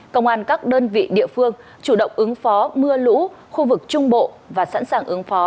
công an các đơn vị địa phương chủ động ứng phó mưa lũ khu vực trung bộ và sẵn sàng ứng phó